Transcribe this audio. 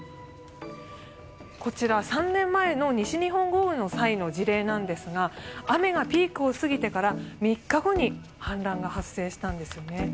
こちら、３年前の西日本豪雨の際の事例なんですが雨がピークを過ぎてから３日後に氾濫が発生したんですよね。